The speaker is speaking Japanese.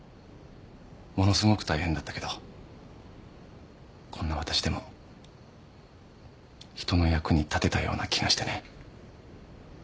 ものすごく大変だったけどこんなわたしでも人の役に立てたような気がしてね。